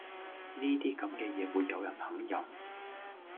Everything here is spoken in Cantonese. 呢啲咁嘅嘢會有人肯飲?